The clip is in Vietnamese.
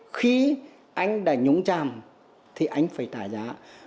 khi anh đã nhúng tràm thì anh phải tả giá